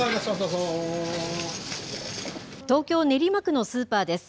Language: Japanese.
東京・練馬区のスーパーです。